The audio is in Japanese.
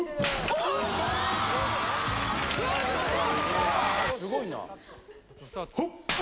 あすごいな！